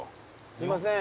すいません。